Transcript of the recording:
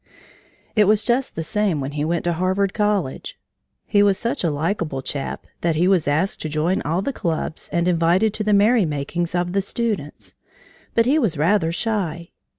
It was just the same when he went to Harvard College. He was such a likeable chap that he was asked to join all the clubs and invited to the merry makings of the students. But he was rather shy.